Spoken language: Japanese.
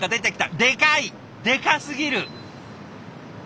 でかい！でかすぎる！